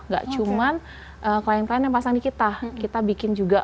gak cuman klien klien yang pasang di kita kita bikin juga